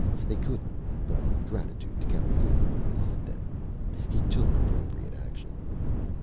They couldn't, but gratitude to Calhoun would remind them. He took appropriate action.